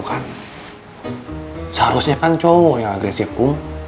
kan seharusnya kan cuma berbicara dengan dia tapi dia tidak bisa berbicara dengan saya